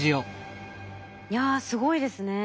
いやすごいですね。